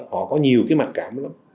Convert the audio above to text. họ có nhiều cái mặt cảm lắm